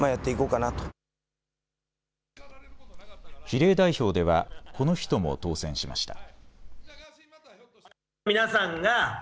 比例代表ではこの人も当選しました。